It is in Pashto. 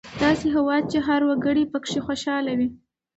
داسې هېواد چې هر وګړی پکې خوشحاله وي.